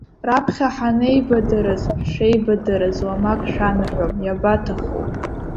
Раԥхьа ҳанеибадырыз, ҳшеибадырыз уамак шәанаҳәом, иабаҭаху.